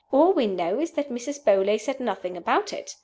All we know is that Mrs. Beauly said nothing about it.